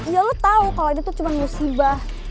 ya lo tau kalo ini tuh cuma musibah